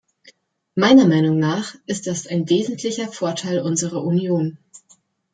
Meiner Meinung nach ist das ein wesentlicher Vorteil unserer Union.